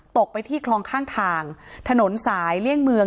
ไปที่คลองข้างทางถนนสายเลี่ยงเมือง